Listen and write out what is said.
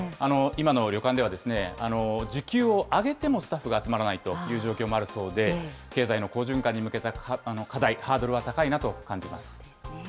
今の旅館では、時給を上げてもスタッフが集まらないという状況もあるそうで、経済の好循環に向けた課題、ハードルは高いなと感じます。